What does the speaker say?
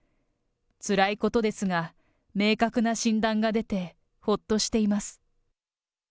つらいことですが、明確な診断が出てほっとしています。